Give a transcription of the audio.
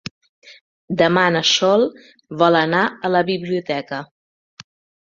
Demà na Sol vol anar a la biblioteca.